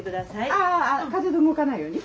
ああ風で動かないように？